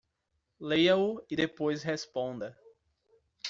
Leia-o e depois responda.